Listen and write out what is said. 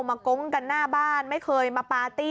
โก๊งกันหน้าบ้านไม่เคยมาปาร์ตี้